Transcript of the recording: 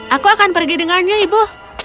aku akan pergi dengannya ibu